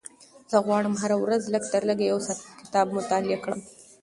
زه غواړم هره ورځ لږترلږه یو ساعت کتاب مطالعه کړم.